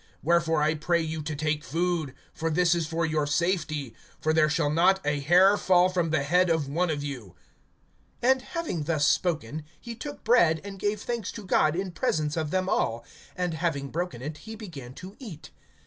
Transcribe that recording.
(34)Wherefore I pray you to take food; for this is for your safety; for there shall not a hair fall from the head of one of you. (35)And having thus spoken, he took bread, and gave thanks to God in presence of them all; and having broken it, he began to eat.